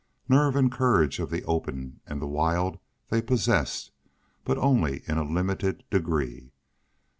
Nerve and courage of the open and the wild they possessed, but only in a limited degree.